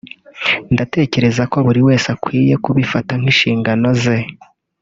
Ndatekereza ko buri wese akwiye kubifata nk’inshingano ze